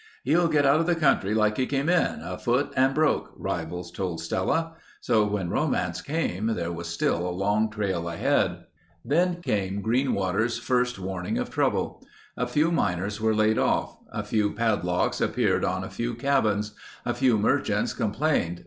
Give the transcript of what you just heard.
"He'll get out of the country like he came in—afoot and broke," rivals told Stella. So when romance came, there was still a long trail ahead. Then came Greenwater's first warning of trouble. A few miners were laid off; a few padlocks appeared on a few cabins; a few merchants complained.